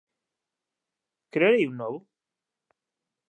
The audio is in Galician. Crearei un novo.